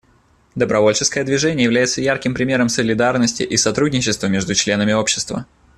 Добровольческое движение является ярким примером солидарности и сотрудничества между членами общества.